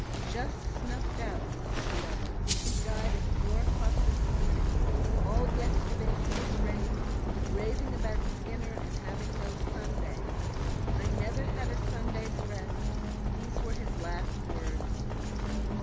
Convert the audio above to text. "Just snuffed out," said the other; "he died at four o'clock this morning; all yesterday he was raving raving about Skinner, and having no Sundays. 'I never had a Sunday's rest,' these were his last words."